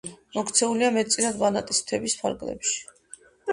მოქცეულია მეტწილად ბანატის მთების ფარგლებში.